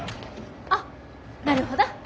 あっなるほど。